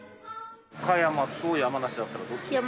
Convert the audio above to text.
岡山と山梨だったらどっち？